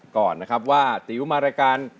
ก่อนนะครับว่าติ๋วมารายการ